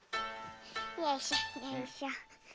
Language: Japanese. よいしょよいしょ。